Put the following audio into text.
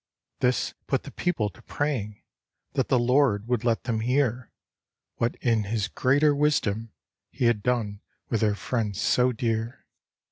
This put the people to praying That the Lord would let them hear What in his greater wisdom He had done with their friends so dear.